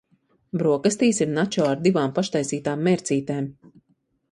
Brokastīs ir načo ar divām paštaisītām mērcītēm.